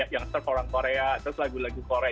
yang serve orang korea terus lagu lagu korea